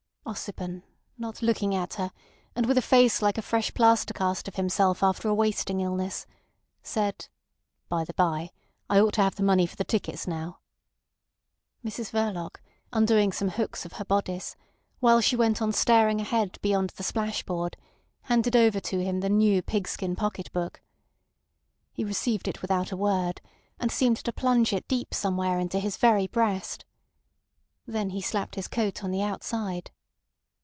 Ossipon, not looking at her, and with a face like a fresh plaster cast of himself after a wasting illness, said: "By the by, I ought to have the money for the tickets now." Mrs Verloc, undoing some hooks of her bodice, while she went on staring ahead beyond the splashboard, handed over to him the new pigskin pocket book. He received it without a word, and seemed to plunge it deep somewhere into his very breast. Then he slapped his coat on the outside.